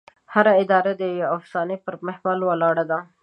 هره اداره د یوې افسانې پر محور ولاړه ده.